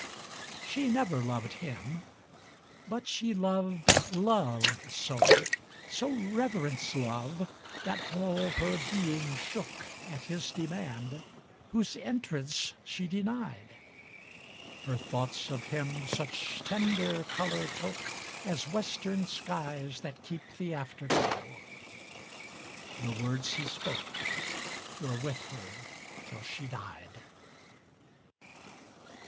She never loved him; but she loved Love so, So reverenced Love, that all her being shookAt his demand whose entrance she denied. Her thoughts of him such tender color tookAs western skies that keep the afterglow. The words he spoke were with her till she died.